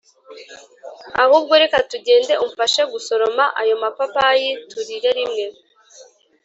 ahubwo reka tugende umfashe gusoroma ayo mapapayi, turire rimwe